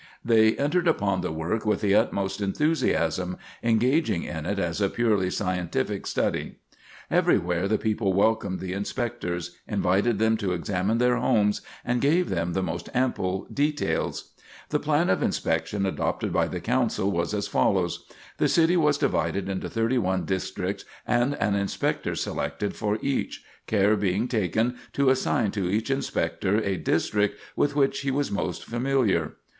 They entered upon the work with the utmost enthusiasm; engaging in it as a purely scientific study. Everywhere the people welcomed the Inspectors, invited them to examine their homes, and gave them the most ample details. [Sidenote: Plan of Inspection] The plan of inspection adopted by the Council was as follows: The city was divided into thirty one districts and an Inspector selected for each, care being taken to assign to each inspector a district with which he was most familiar.